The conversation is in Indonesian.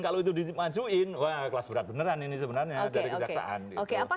kalau itu dimajuin wah kelas berat beneran ini sebenarnya dari kejaksaan gitu